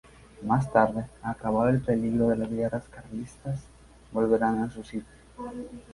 Más tarde, acabado el peligro de las guerras carlistas- volverán a su sitio.